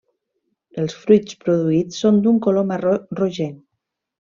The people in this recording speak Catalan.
Els fruits produïts són d'un color marró rogenc.